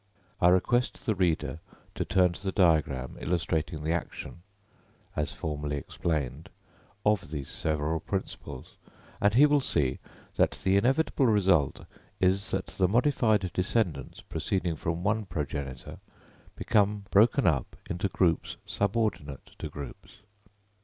I request the reader to turn to the diagram illustrating the action, as formerly explained, of these several principles; and he will see that the inevitable result is, that the modified descendants proceeding from one progenitor become broken up into groups subordinate to groups.